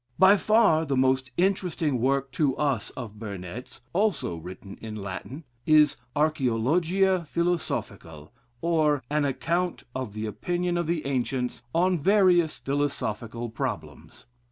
By far the most interesting work to us of Burnet's (also written in Latin) is "Archæologia Philosophical or, an account of the Opinion of the Ancients on various Philosophical Problems."